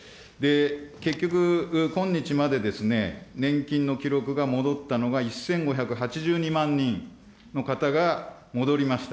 結局、今日までですね、年金の記録が戻ったのが１５８２万人の方が戻りました。